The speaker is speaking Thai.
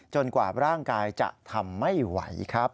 กว่าร่างกายจะทำไม่ไหวครับ